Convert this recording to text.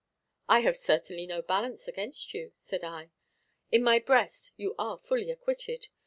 "I have certainly no balance against you," said I. "In my breast you are fully acquitted.